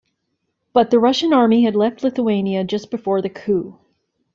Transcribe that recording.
But the Russian army had left Lithuania just before the coup.